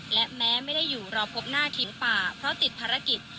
และแม้ไม่ได้อยู่รอพบหน้าทีมป่าเพราะติดภารกิจ